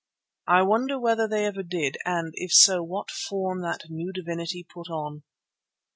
I wonder whether they ever did and, if so, what form that new divinity put on.